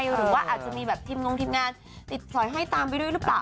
หึว่าอาจจะมีแบบทิมที่งงทิมงานติดร้อยให้ตามไปด้วยรึเปล่า